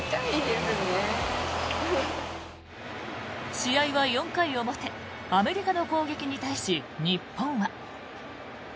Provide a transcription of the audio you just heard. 試合は４回表アメリカの攻撃に対し日本は。